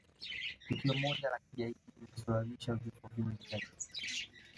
tukio moja la kigaidi lililosababisha vifo vingi zaidi